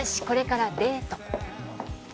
これからデート